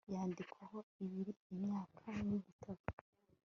yandikwaho ibiro imyaka n'igitabo